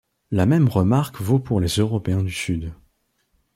La même remarque vaut pour les Européens du Sud.